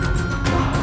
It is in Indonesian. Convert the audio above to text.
yaitu tombah tulung agung